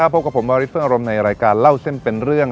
วันนี้พบกับผมบริษฐ์เฟิร์มอารมณ์ในรายการเล่าเส้นเป็นเรื่อง